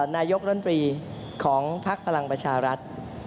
นายกรัฐมนตรีของภักดิ์พลังประชารัฐ